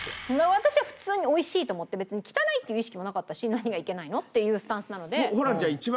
私は普通に美味しいと思って別に汚いっていう意識もなかったし何がいけないの？っていうスタンスなので。